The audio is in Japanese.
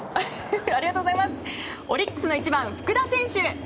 オリックスの１番福田選手。